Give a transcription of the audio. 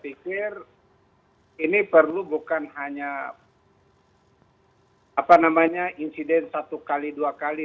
akhirnya ini perlu bukan hanya insiden satu kali dua kali